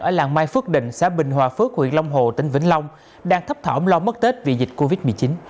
ở làng mai phước định xã bình hòa phước huyện long hồ tỉnh vĩnh long đang thấp thỏm lo mất tết vì dịch covid một mươi chín